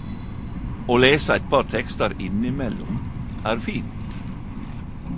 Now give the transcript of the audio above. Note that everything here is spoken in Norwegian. Å lese eit par tekstar innimellom er fint.